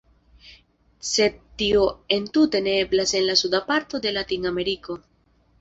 Sed tio entute ne eblas en la suda parto de Latin-Ameriko.